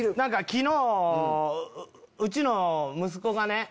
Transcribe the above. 昨日うちの息子がね。